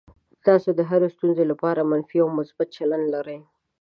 تاسو د هرې ستونزې لپاره منفي او مثبت چلند لرئ.